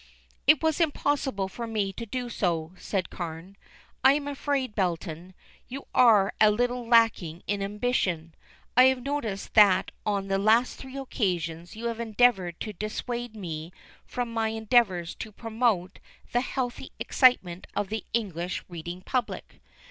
"It was impossible for me to do so," said Carne. "I am afraid; Belton, you are a little lacking in ambition. I have noticed that on the last three occasions you have endeavored to dissuade me from my endeavors to promote the healthy excitement of the English reading public.